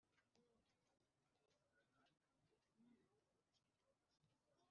Mugomba gukebwa mu mitima yanyu